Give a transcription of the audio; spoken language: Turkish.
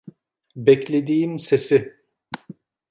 Beklediğim sesi.